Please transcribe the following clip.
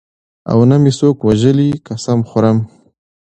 او نه مې څوک وژلي قسم خورم.